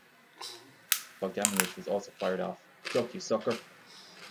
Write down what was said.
Bogdanovich was also fired off Duck, You Sucker!